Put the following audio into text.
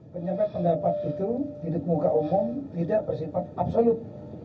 penyampaian pendapat itu di muka umum tidak bersifat absolut